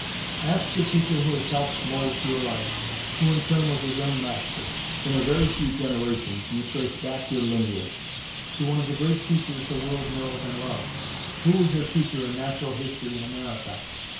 Ask the teacher who has helped mould your life, who in turn was his own master. In a very few generations you trace back your lineage to one of the great teachers the world knows and loves. Who was your teacher in Natural History in America?